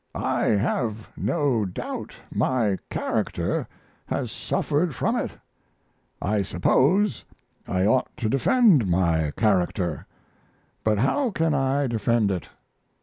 I have no doubt my character has suffered from it. I suppose I ought to defend my character, but how can I defend it?